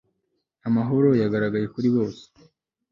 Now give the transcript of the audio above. Amahoro yagaragaye kuri bose